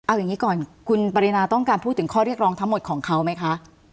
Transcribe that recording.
เอาอย่างนี้ก่อนคุณปรินาต้องการพูดถึงข้อเรียกร้องทั้งหมดของเขาไหมคะ